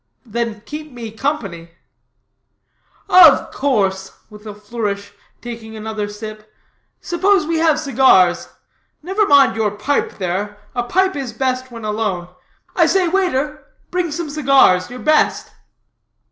"Then keep me company." "Of course," with a flourish, taking another sip "suppose we have cigars. Never mind your pipe there; a pipe is best when alone. I say, waiter, bring some cigars your best."